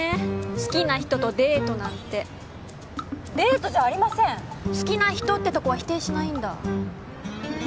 好きな人とデートなんてデートじゃありません好きな人ってとこは否定しないんだ